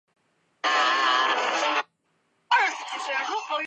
有些地区将条纹鬣狗作为宠物饲养。